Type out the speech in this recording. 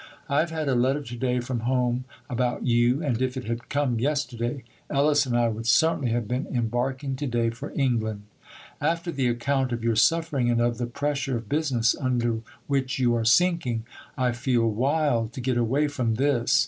I have had a letter to day from home about you, and if it had come yesterday, Ellis and I would certainly have been embarking to day for England. After the account of your suffering, and of the pressure of business under which you are sinking, I feel wild to get away from this.